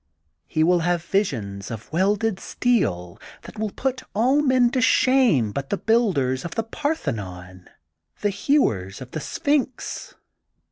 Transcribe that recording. He will have visions of welded steel that will put all men to shame but the builders of the Parthenon, the hewers of the Sphinx.